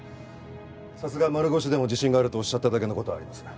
さすが丸腰でも自信があると仰っただけの事はありますね。